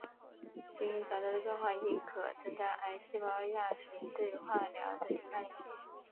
基因表达的变化亦可增强癌细胞亚群对化疗的抵抗力。